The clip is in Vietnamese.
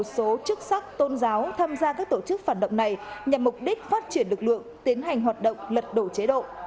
một số chức sắc tôn giáo tham gia các tổ chức phản động này nhằm mục đích phát triển lực lượng tiến hành hoạt động lật đổ chế độ